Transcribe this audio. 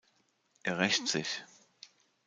Er rächt sich.